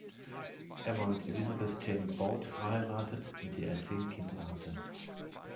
Er war mit Elizabeth Jane Baute verheiratet, mit der er zehn Kinder hatte.